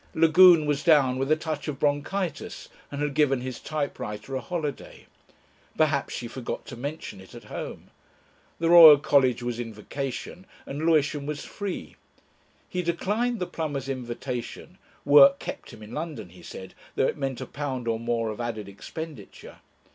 Lagune was down with a touch of bronchitis and had given his typewriter a holiday. Perhaps she forgot to mention it at home. The Royal College was in vacation and Lewisham was free. He declined the plumber's invitation; "work" kept him in London, he said, though it meant a pound or more of added expenditure.